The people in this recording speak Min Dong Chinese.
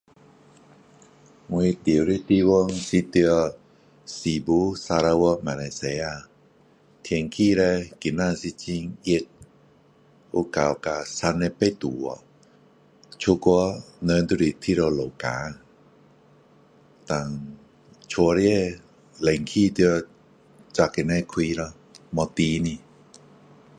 我住的地方是在诗巫砂劳越马来西亚天气叻今天是很热有到达三十八度了出去人就是一直流汗然后家里冷气要一直那边开没停的